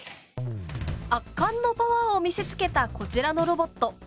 圧巻のパワーを見せつけたこちらのロボット。